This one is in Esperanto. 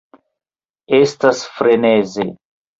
Estas freneze!